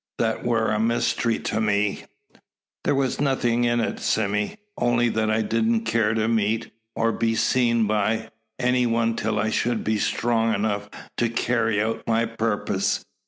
That war a mystery to me." "There was nothing in it, Sime. Only that I didn't care to meet, or be seen by, any one till I should be strong enough to carry out my purpose.